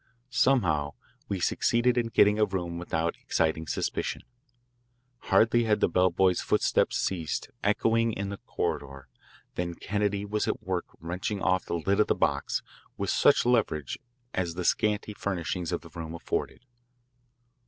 Somehow we succeeded in getting a room without exciting suspicion. Hardly had the bellboy's footsteps ceased echoing in the corridor than Kennedy was at work wrenching off the lid of the box with such leverage as the scanty furnishings of the room afforded.